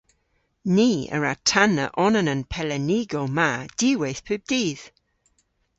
Ni a wra tanna onan a'n pelennigow ma diwweyth pub dydh.